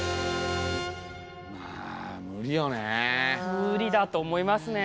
無理だと思いますね。